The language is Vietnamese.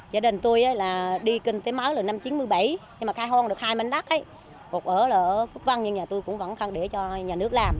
cục ở là ở phúc văn nhưng nhà tôi cũng vẫn khăn để cho nhà nước làm